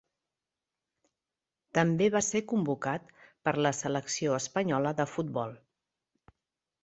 També va ser convocat per la selecció espanyola de futbol.